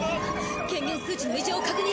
顕現数値の異常を確認！